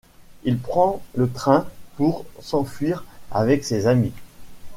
Il prend le train pour s'enfuir avec ses amis.